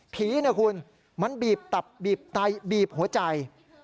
ผีนะคุณมันบีบตับบีบไตบีบหัวใจ